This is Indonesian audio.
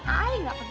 ayah gak peduli